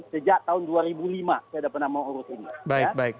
sejak tahun dua ribu lima saya sudah pernah mengurus ini